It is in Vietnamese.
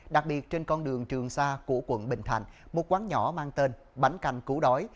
đặc biệt trên con đường trường sa của quận bình thạnh một quán nhỏ mang tên bánh canh cú đói